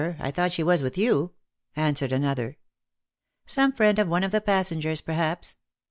I thought she was with you," an swered another. " Some friend of one of the passengers, perhaps."